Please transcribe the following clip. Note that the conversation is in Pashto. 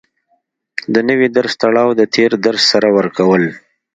د نوي درس تړاو د تېر درس سره ورکول